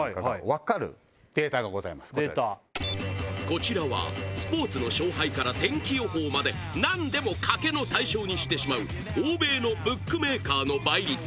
こちらはスポーツの勝敗から天気予報まで何でも賭けの対象にしてしまう欧米のブックメーカーの倍率